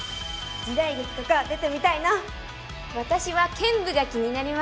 時代劇とか出てみたいな。